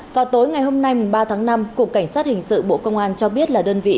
vào tối ngày hôm nay ba tháng năm cục cảnh sát hình sự bộ công an cho biết là đơn vị